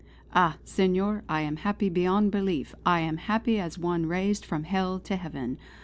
"Ah, Senor, I am happy beyond belief. I am happy as one raised from Hell to Heaven.